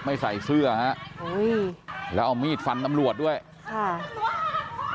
ใส่เสื้อฮะอุ้ยแล้วเอามีดฟันตำรวจด้วยค่ะ